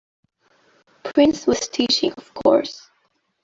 Prince was teaching, of course.